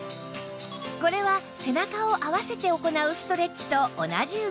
これは背中を合わせて行うストレッチと同じ動き